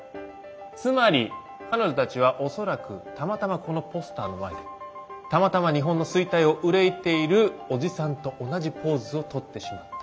つまり彼女たちはおそらくたまたまこのポスターの前でたまたま日本の衰退を憂いているおじさんと同じポーズをとってしまった。